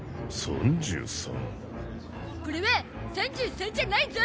これは３３じゃないゾ！